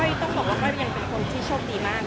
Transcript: ต้องบอกว่าก้อยยังเป็นคนที่โชคดีมาก